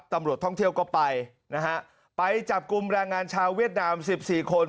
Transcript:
ตำรวจท่องเที่ยวก็ไปนะฮะไปจับกลุ่มแรงงานชาวเวียดนามสิบสี่คน